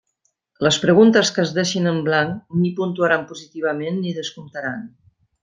Les preguntes que es deixin en blanc ni puntuaran positivament ni descomptaran.